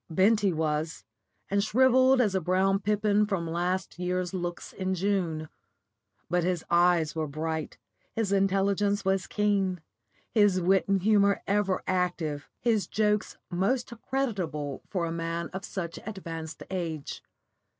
Bent he was, and shrivelled as a brown pippin from last year looks in June, but his eyes were bright, his intelligence was keen, his wit and humour ever active, his jokes most creditable for a man of such advanced age.